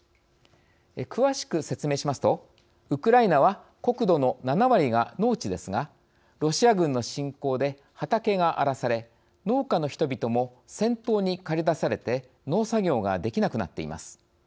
詳しく説明しますとウクライナは国土の７割が農地ですがロシア軍の侵攻で畑が荒らされ農家の人々も戦闘に駆り出されて農作業ができなくなっています。